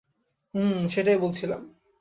হুম, সেটাই বলছিলাম।